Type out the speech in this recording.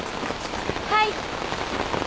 はい。